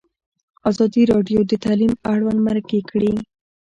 ازادي راډیو د تعلیم اړوند مرکې کړي.